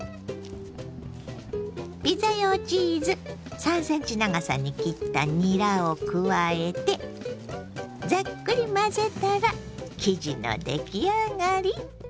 ピザ用チーズ３ｃｍ長さに切ったにらを加えてざっくり混ぜたら生地の出来上がり。